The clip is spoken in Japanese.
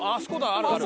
あるある。